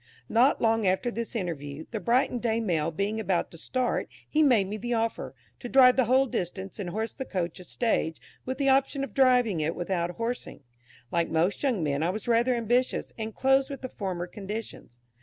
Not long after this interview, the Brighton Day Mail being about to start, he made me the offer, to drive the whole distance and horse the coach a stage, with the option of driving it without horsing. Like most young men I was rather ambitious, and closed with the former conditions.